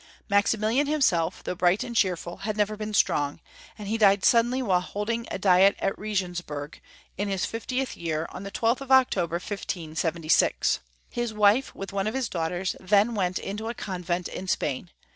Maximilian himself, though bright and cheerful, had never been strong, and he died sud denly while holding a diet at Regensburg, in his fiftieth year, on the 12th of October, 1576. His wife, with one of liis daughters, then went into a convent in Spain.